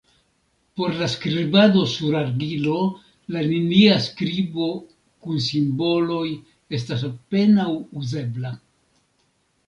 Por la skribado sur argilo, la linia skribo kun simboloj estas apenaŭ uzebla.